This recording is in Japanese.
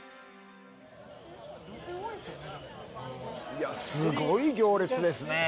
いやすごい行列ですね。